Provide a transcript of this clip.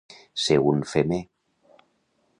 Ser un femer.